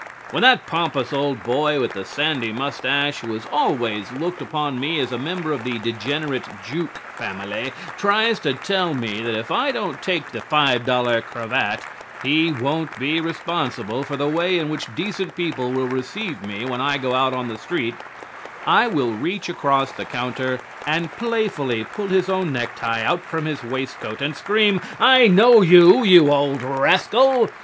When that pompous old boy with the sandy mustache who has always looked upon me as a member of the degenerate Juke family tries to tell me that if I don't take the five dollar cravat he won't be responsible for the way in which decent people will receive me when I go out on the street, I will reach across the counter and playfully pull his own necktie out from his waistcoat and scream, "I know you, you old rascal!